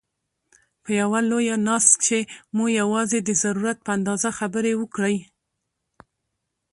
په یوه لویه ناست کښي مو یوازي د ضرورت په اندازه خبري وکړئ!